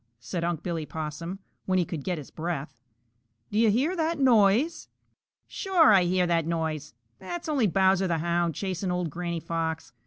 said Unc' Billy Possum, when he could get his breath. "Do you hear that noise?" "Sure, I hear that noise. That's only Bowser the Hound chasing old Granny Fox.